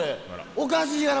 おかしいがな。